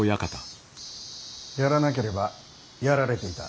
やらなければやられていた。